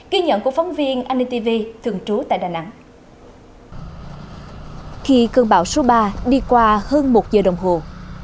khi cơn bão số ba đi qua hơn một giờ đồng hồ